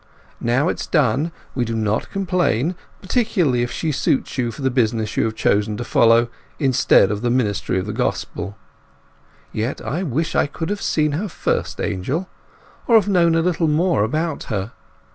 Now it is done we do not complain, particularly if she suits you for the business you have chosen to follow instead of the ministry of the Gospel.... Yet I wish I could have seen her first, Angel, or have known a little more about her.